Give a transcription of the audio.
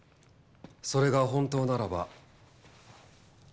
それが本当ならば。